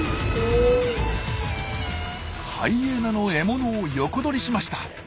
ハイエナの獲物を横取りしました。